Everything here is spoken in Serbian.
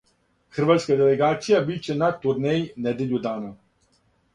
Хрватска делегација биће на турнеји недељу дана.